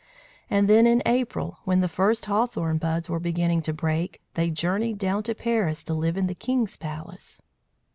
And then in April, when the first hawthorn buds were beginning to break, they journeyed down to Paris to live in the king's palace.